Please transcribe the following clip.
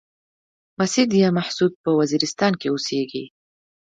مسيد يا محسود په وزيرستان کې اوسيږي.